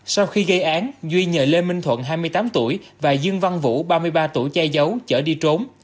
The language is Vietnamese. sau khi gây án duy nhờ lê minh thuận hai mươi tám tuổi và dương văn vũ ba mươi ba tuổi che giấu chở đi trốn